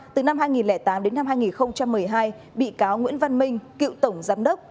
từ năm hai nghìn tám đến năm hai nghìn một mươi hai bị cáo nguyễn văn minh cựu tổng giám đốc